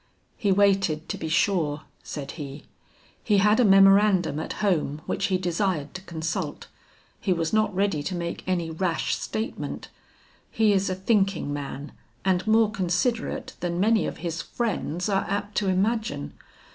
"He waited to be sure," said he. "He had a memorandum at home which he desired to consult; he was not ready to make any rash statement: he is a thinking man and more considerate than many of his friends are apt to imagine.